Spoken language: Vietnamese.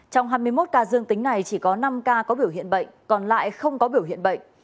trong hai mươi một ca dương tính này chỉ có năm ca có biểu hiện bệnh còn lại không có biểu hiện bệnh